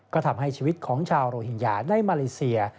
ก็ทำให้ชีวิตของชาวโรฮิงญาในมาเลเซีย